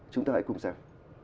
chúng ta hãy cùng xem